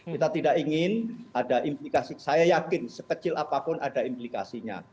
kita tidak ingin ada implikasi saya yakin sekecil apapun ada implikasinya